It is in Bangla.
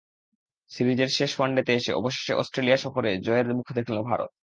সিরিজের শেষ ওয়ানডেতে এসে অবশেষে অস্ট্রেলিয়া সফরে জয়ের মুখ দেখল ভারত।